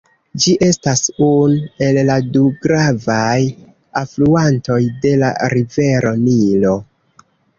Ĝi estas unu el la du gravaj alfluantoj de la Rivero Nilo.